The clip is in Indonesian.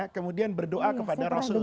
kemudian berdoa kepada rasulullah